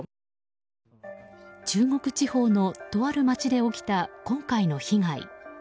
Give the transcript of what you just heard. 中国地方のとある町で起きた今回の被害。